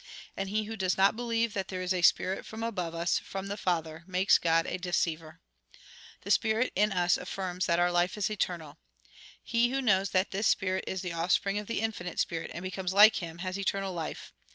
And he who does not believe that there is a spirit from above us, from the Father, makes God a deceiver. The spirit in us affirms that our life is eternal He who knows that this spirit is the offspring of the Infinite Spirit, and becomes like Him, has eternal life.